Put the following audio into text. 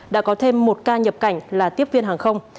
đã có thêm một ca nhập cảnh là tiếp viên hàng không